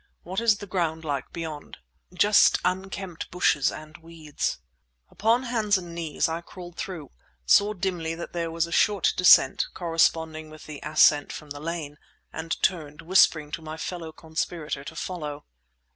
"What is the ground like beyond?" "Just unkempt bushes and weeds." Upon hands and knees I crawled through, saw dimly that there was a short descent, corresponding with the ascent from the lane, and turned, whispering to my fellow conspirator to follow.